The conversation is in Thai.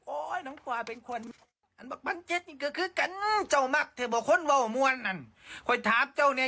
โอ๊ยน้องกว่าเป็นคน